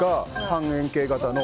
半円形の。